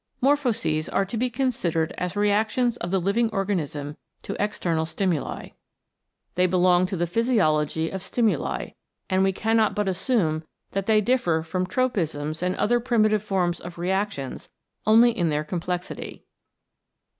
Morphoses are to be considered as reactions of the living organism to external stimuli. They belong to the physiology of stimuli, and we cannot but assume that they differ from tropisms and other primitive forms of reactions only in their com plexity.